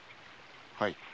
はい。